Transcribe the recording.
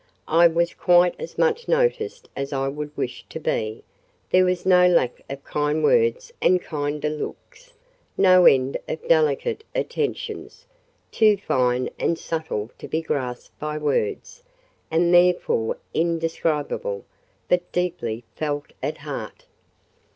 I was quite as much noticed as I would wish to be: there was no lack of kind words and kinder looks, no end of delicate attentions, too fine and subtle to be grasped by words, and therefore indescribable—but deeply felt at heart.